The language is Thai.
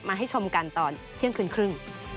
ให้ชมกันตอนเที่ยงคืนครึ่ง